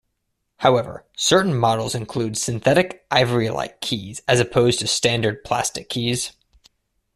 However, certain models include synthetic ivory-like keys as opposed to standard plastic keys.